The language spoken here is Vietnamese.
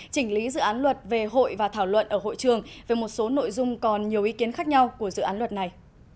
chỉnh lý dự án luật về hội và thảo luận ở hội trường về một số nội dung còn nhiều ý kiến khác nhau của dự án luật này